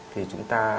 thì chúng ta